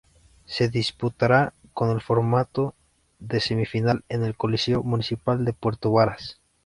Se disputará con el formato de semi-final en el Coliseo municipal de Puerto Varas.